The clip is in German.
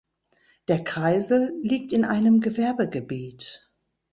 Der Kreisel liegt in einem Gewerbegebiet.